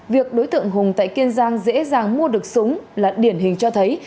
việc đối tượng hùng tại kiên giang dễ dàng mua được súng là điển hình cho thấy